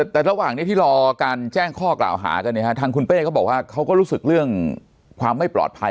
แต่ระหว่างนี้ที่รอการแจ้งข้อกล่าวหากันเนี่ยฮะทางคุณเป้เขาบอกว่าเขาก็รู้สึกเรื่องความไม่ปลอดภัย